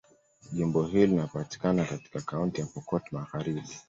Jimbo hili linapatikana katika Kaunti ya Pokot Magharibi.